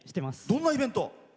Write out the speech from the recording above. どんなイベント？